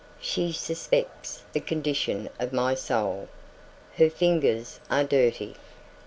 She suspects the condition of my soul. Her fingers are dirty.